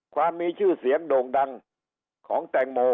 ความมีชื่อเสียงโด่งดังของแตงโม